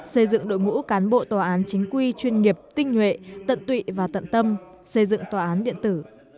xây dựng đội ngũ cán bộ tòa án chính quy chuyên nghiệp tinh nhuệ tận tụy và tận tâm xây dựng tòa án điện tử